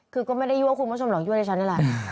คือก็ไม่ได้ยั่วคุณผู้ชมหรอกยั่วในชั้นอะไร